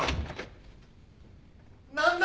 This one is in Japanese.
何だ！？